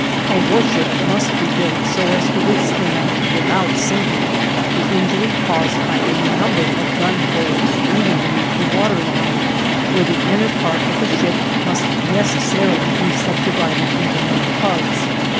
A warship must be built so as to withstand, without sinking, the injury caused by a number of gun holes even beneath the water line, where the inner part of the ship must necessarily be subdivided into many parts.